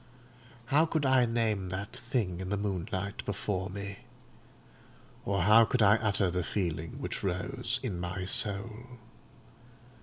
How could I name that thing in the moonlight before me? or how could I utter the feeling which rose in my soul?